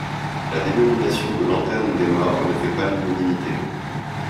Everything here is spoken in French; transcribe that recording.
La dénomination de lanterne des morts ne fait pas l'unanimité.